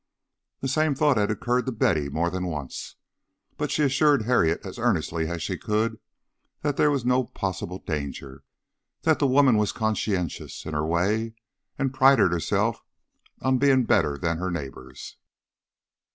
The same thought had occurred to Betty more than once, but she assured Harriet as earnestly as she could that there was no possible danger, that the woman was conscientious in her way, and prided herself on being better than her neighbors.